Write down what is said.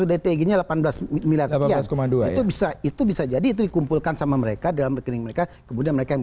kenapa apa salahnya